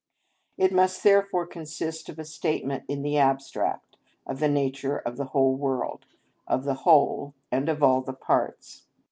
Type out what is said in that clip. It must therefore consist of a statement in the abstract, of the nature of the whole world, of the whole, and of all the parts.